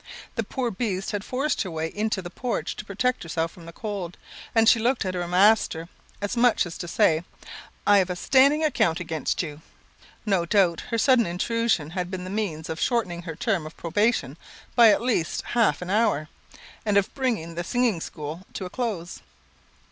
The poor beast had forced her way into the porch to protect herself from the cold; and she looked at her master, as much as to say, "I have a standing account against you." No doubt her sudden intrusion had been the means of shortening her term of probation by at least half an hour, and of bringing the singing school to a close.